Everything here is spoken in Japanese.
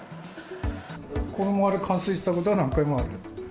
この周り、冠水したことは何回もある。